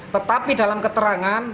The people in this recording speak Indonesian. tetapi dalam keterangan